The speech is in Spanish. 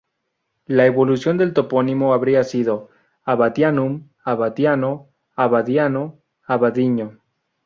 La evolución del topónimo habría sido "Abatianum"→"Abatiano"→"Abadiano"→"Abadiño".